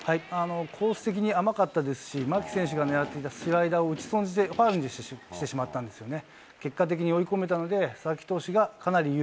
コース的に甘かったですし、牧選手がねらっていたスライダーを打ち損じて、ファウルにしてしまったんですよね。